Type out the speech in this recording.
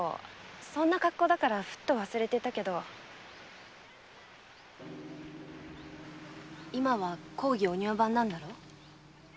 そんな格好だからふっと忘れてたけど今は公儀お庭番なんだろ？